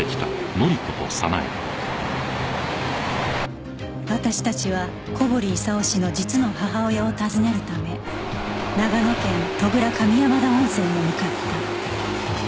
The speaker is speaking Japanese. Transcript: ２１私たちは小堀功氏の実の母親を訪ねるため長野県戸倉上山田温泉へ向かった